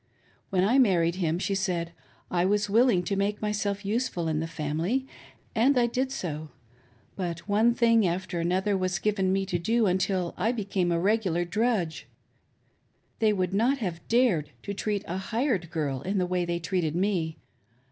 When I married him," she said, " I was willing to make myself useful in the family, and I did so. But one thing , after another was given me to do until I became a regular drudge — they would not have dared to treat a hired girl in the way they treated me.